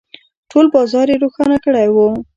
، ټول بازار يې روښانه کړی و.